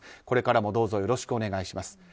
これからもどうぞよろしくお願いします。